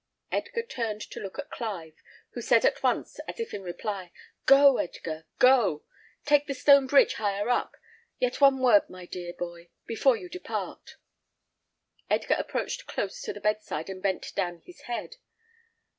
Edgar turned a look to Clive, who said at once, as if in reply, "Go, Edgar, go. Take the stone bridge higher up. Yet one word, my dear boy, before you depart." Edgar approached close to the bedside and bent down his head.